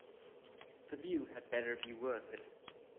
The view had better be worth it.